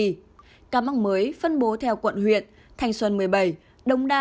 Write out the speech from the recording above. các ca mắc mới phân bố theo quận huyện thanh xuân một mươi bảy đống đa hai